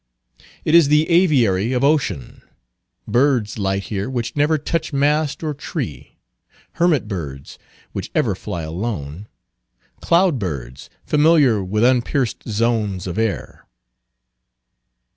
It is the aviary of Ocean. Birds light here which never touched mast or tree; hermit birds, which ever fly alone; cloud birds, familiar with unpierced zones of air.